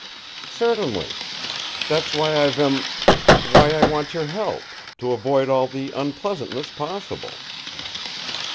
"Certainly. That's why I've em why I want your help: to avoid all the unpleasantness possible."